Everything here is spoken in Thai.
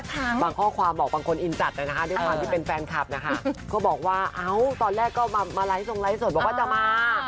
บางข้อความบอกบางคนอินจัดนะคะด้วยความที่เป็นแฟนคลับนะคะก็บอกว่าเอ้าตอนแรกก็มาไลฟ์ทรงไลฟ์สดบอกว่าจะมา